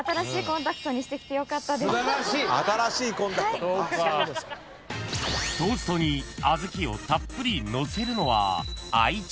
［トーストに小豆をたっぷりのせるのは］